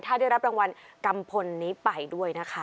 ถ้าได้รับรางวัลกัมพลนี้ไปด้วยนะคะ